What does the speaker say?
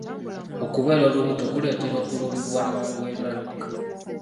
Okubeera olubuto kuleetera okulumbibwa amangu endwadde.